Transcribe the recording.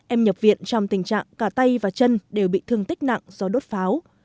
em nhập viện trong tình trạng cả tay và chân đều bị thương tích nặng do đốt pháo